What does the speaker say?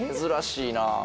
珍しいな。